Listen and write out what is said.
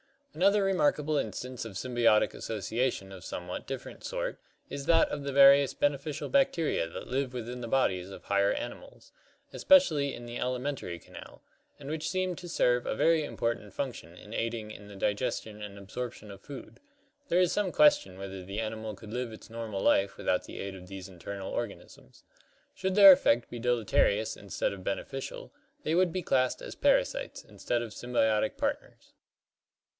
Another remarkable instance of symbiotic association of a some what different sort is that of the various beneficial bacteria that live within the bodies of higher animals, especially in the alimentary canal, and which seem to serve a very important function in aiding in the digestion and absorption of food. There is some question whether the animal could live its normal life without the aid of these internal organisms. Should their effect be deleterious instead of beneficial, they would be classed as parasites instead of sym biotic partners.